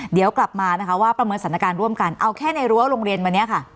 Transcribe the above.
เดี๋ยวกลับมานะคะว่าประเมินสถานการณ์ร่วมกันเอาแค่ในรั้วโรงเรียนวันนี้ค่ะ